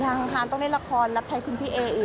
ยังค่ะต้องเล่นละครรับใช้คุณพี่เออีก